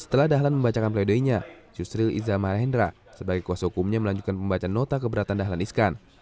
setelah dahlan membacakan pledoinya yusril iza mahendra sebagai kuasa hukumnya melanjutkan pembacaan nota keberatan dahlan iskan